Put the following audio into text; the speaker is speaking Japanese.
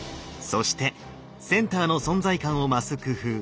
そしてセンターの存在感を増す工夫